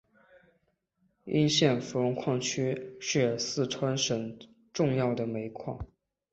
珙县芙蓉矿区是四川省重要的煤田。